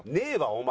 お前。